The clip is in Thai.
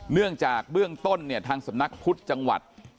เนื่องจากเบื้องต้นเนี่ยทางสำนักพุทธจังหวัด